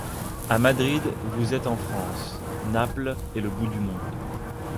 À Madrid vous êtes en France ; Naples est le bout du monde.